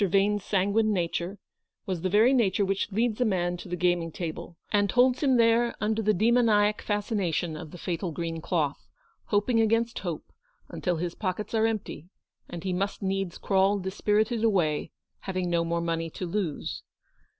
Vane's sanguine nature, was the very nature which leads a man to the gaming table, and holds him there under the demoniac fascination of the fatal green cloth, hoping against hope, until his pockets are empty, and he must needs crawl dispirited away, having no more money to lose.